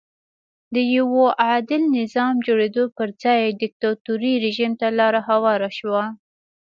د یوه عادل نظام جوړېدو پر ځای دیکتاتوري رژیم ته لار هواره شوه.